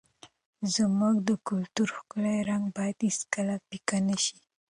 زموږ د کلتور ښکلی رنګ باید هېڅکله پیکه نه سي.